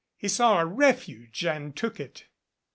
He saw a refuge and took it.